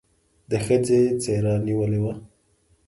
د ښځې څېره نېولې وه.